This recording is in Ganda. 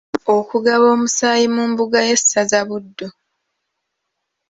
Okugaba omusaayi mu mbuga y’essaza Buddu.